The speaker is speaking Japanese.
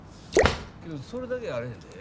けど、それだけやあれへんで。